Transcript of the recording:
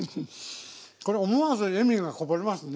これ思わず笑みがこぼれますね。